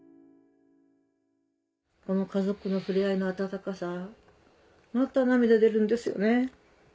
この家族の触れ合いの温かさまた涙出るんですよね。